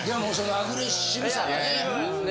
アグレッシブですね。